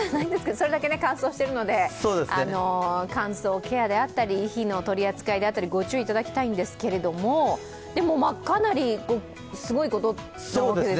それだけ乾燥してるので、乾燥ケアであったり火の取り扱いであったり、ご注意いただきたいんですけど、でも、かなりすごいことなわけですよね？